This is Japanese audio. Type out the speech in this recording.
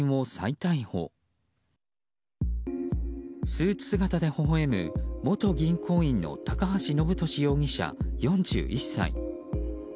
スーツ姿で微笑む、元銀行員の高橋延年容疑者、４１歳。